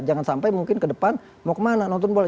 jangan sampai mungkin ke depan mau kemana nonton bola